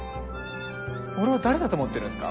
俺を誰だと思ってるんすか？